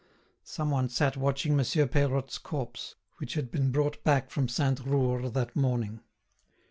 Some one sat watching Monsieur Peirotte's corpse, which had been brought back from Sainte Roure that morning.